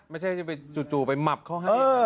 ไม่ใช่จะไปจู่ไปหมับเขาให้